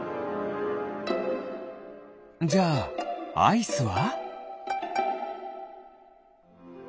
じゃあアイスは？